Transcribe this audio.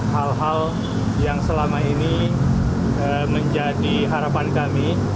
hal hal yang selama ini menjadi harapan kami